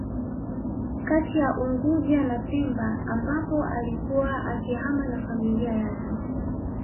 Kati ya unguja na pemba ambapo alikuwa akihama na familia yake